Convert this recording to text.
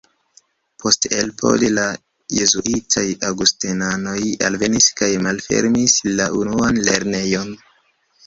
Post elpelo de la jezuitoj aŭgustenanoj alvenis kaj malfermis la unuan lernejon.